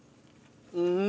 うん！